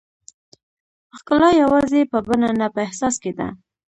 ښکلا یوازې په بڼه نه، په احساس کې ده.